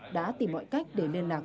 đã tìm mọi cách để liên lạc